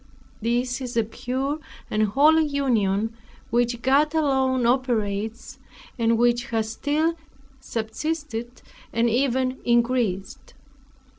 This is a pure and holy union, which God alone operates, and which has still subsisted, and even increased.